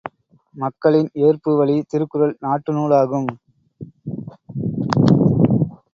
மக்களின் ஏற்பு வழி திருக்குறள் நாட்டு நூலாகும்.